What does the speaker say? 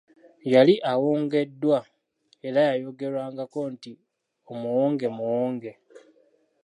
Yali awongeddwa era yayogerwangako nti omuwonge Muwonge.